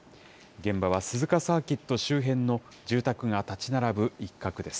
現場は鈴鹿サーキット周辺の住宅が建ち並ぶ一角です。